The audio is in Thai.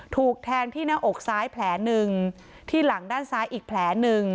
ถูกแทงที่หน้าอกซ้ายแผล๑ที่หลังด้านซ้ายอีกแผล๑